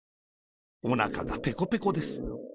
おなかがペコペコです。